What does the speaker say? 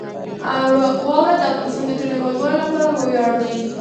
واوره د افغانستان د ټولو هیوادوالو لپاره ویاړ دی.